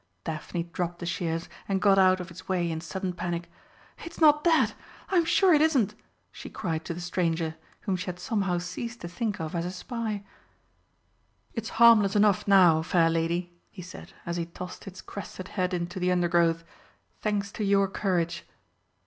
Daphne dropped the shears and got out of its way in sudden panic. "It's not dead! I'm sure it isn't!" she cried to the stranger, whom she had somehow ceased to think of as a spy. "It is harmless enough now, fair lady," he said as he tossed its crested head into the undergrowth, "thanks to your courage."